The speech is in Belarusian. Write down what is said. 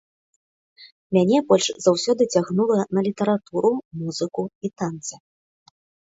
Мяне больш заўсёды цягнула на літаратуру, музыку і танцы.